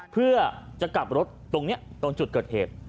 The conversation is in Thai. เพื่อจะกลับรถตรงนี้ตรงจุดเกิดเหตุ